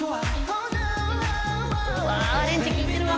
わあアレンジ利いてるわ。